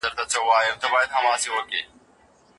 غلامي لعنت دی.